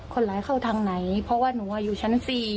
คนร้ายเข้าทางไหนเพราะว่าหนูอยู่ชั้น๔